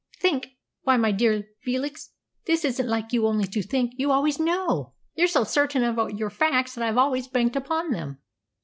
"Think! Why, my dear Felix, this isn't like you only to think; you always know. You're so certain of your facts that I've always banked upon them."